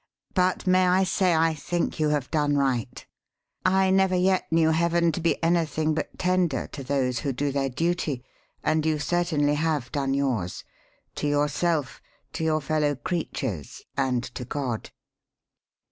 "But may I say I think you have done right? I never yet knew Heaven to be anything but tender to those who do their duty, and you certainly have done yours to yourself, to your fellow creatures, and to God!"